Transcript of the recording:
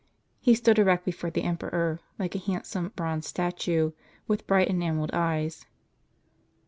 He stood erect before the emperor, like a handsome bronze statue, with bright enamelled eyes.